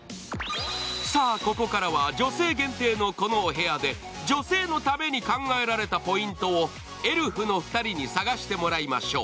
さあ、ここからは女性限定のこのお部屋で女性のために考えられたポイントをエルフの２人に探してもらいましょう。